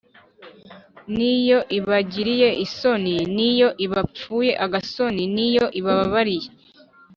n’iyo ibagiriye isoni: n’iyo ibapfuye agasoni, n’iyo ibabariye